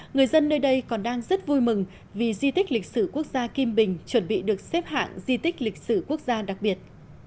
người dân nơi đây còn đang rất vui mừng vì di tích lịch sử quốc gia kim bình chuẩn bị được xếp hạng di tích lịch sử quốc gia đặc biệt